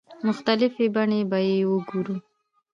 مختلفې بڼې به یې وګورو.